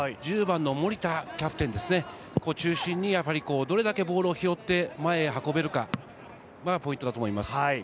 １０番の森田キャプテン、そこを中心にどれだけボールを拾って、前へ運べるかがポイントだと思います。